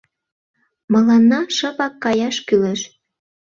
— Мыланна шыпак каяш кӱлеш.